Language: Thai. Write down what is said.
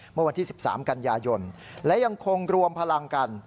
เมื่อวันที่๑๓กันยายนและยังคงรวมพลังกัน